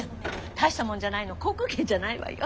大したものじゃないの航空券じゃないわよ。